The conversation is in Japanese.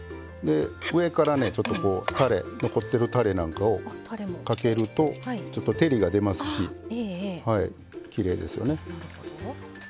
上からねちょっとこうたれ残ってるたれなんかをかけるとちょっと照りが出ますしきれいですよね。